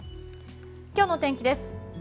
今日の天気です。